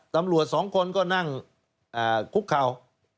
ตำรวจสองคนก็นั่งคุกเข่า